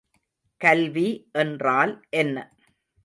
கல்வி என்றால் என்ன?